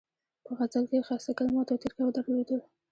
په غزل کې یې ښایسته کلمات او ترکیبات درلودل.